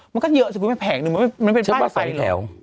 มันก็เยอะสิมันแผงหนึ่งมันเป็นปั้นไปแล้ว